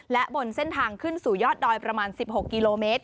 และบนเส้นทางขึ้นสู่ยอดดอยประมาณ๑๖กิโลเมตร